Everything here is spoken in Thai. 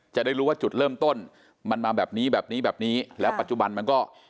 จะได้รู้ว่าจุดเริ่มต้นมันมาแบบนี้แบบนี้แบบนี้แบบนี้แล้วปัจจุบันมันก็